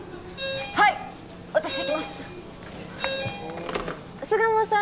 はい私行きますお巣鴨さん